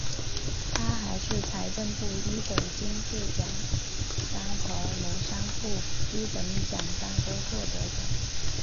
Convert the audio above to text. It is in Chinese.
他还是财政部一等金质奖章和农商部一等奖章的获得者。